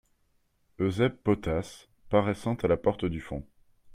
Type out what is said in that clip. Eusèbe Potasse , paraissant à la porte du fond.